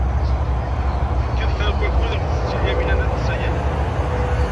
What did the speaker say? Tekkiḍ kra n wakud akked Setti Lyamina n At Ḥsayen.